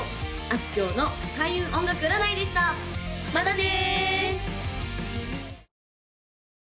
あすきょうの開運音楽占いでしたまたね！